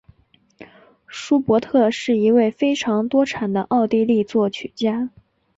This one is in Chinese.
舒伯特是一位非常多产的奥地利作曲家。